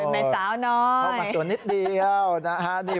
แม่สาวน้อยครับมาตัวนิดเดียวนะฮะนี่